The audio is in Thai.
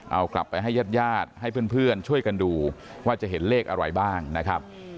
เอากลับไปให้ญาติญาติให้เพื่อนช่วยกันดูว่าจะเห็นเลขอะไรบ้างนะครับ